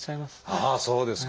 ああそうですか。